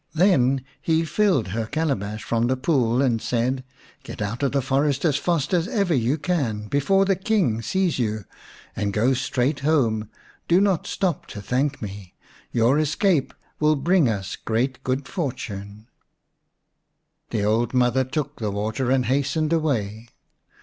Then he filled her calabash from the pool and said, " Get out of the forest as fast as ever you can, before the King sees you, and go straight home. Do not stop to thank me ; your escape will bring us great good fortune." The old mother took the water and hastened away.